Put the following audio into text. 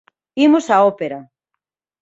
Imos á ópera!